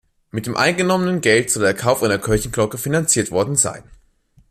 Mit dem eingenommenen Geld soll der Kauf einer Kirchenglocke finanziert worden sein.